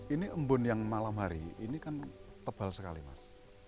ini embun yang malam hari ini kan tebal sekali mas